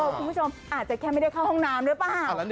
คุณผู้ชมอาจจะแค่ไม่ได้เข้าห้องน้ำหรือเปล่า